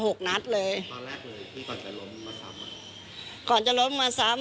ตอนแรกเลยคือก่อนจะล้มมาซ้ำ